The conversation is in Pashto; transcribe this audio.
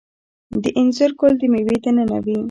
د انځر ګل د میوې دننه وي؟